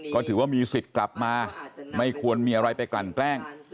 ก็ถือว่ามีสิทธิ์กลับมาไม่ควรมีอะไรไปกลั่นแกล้ง